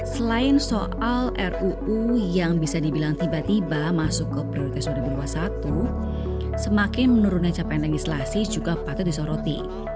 selain soal ruu yang bisa dibilang tiba tiba masuk ke prioritas dua ribu dua puluh satu semakin menurunnya capaian legislasi juga patut disoroti